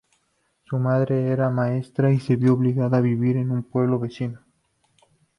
Su madre era maestra y se vio obligada a vivir en un pueblo vecino.